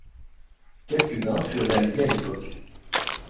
Quelques-uns furent réalisés à l'époque.